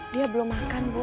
dia belum makan bu